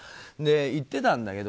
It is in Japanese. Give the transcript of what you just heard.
言っていたんだけど。